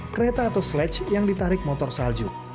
kereta atau sletch yang ditarik motor salju